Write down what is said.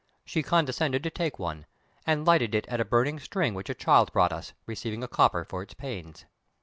She condescended to take one, and lighted it at a burning string which a child brought us, receiving a copper for its pains.